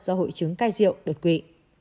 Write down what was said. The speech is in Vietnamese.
do hội chứng cai rượu đột quỵ